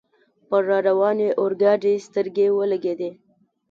پر را روانې اورګاډي سترګې ولګېدې.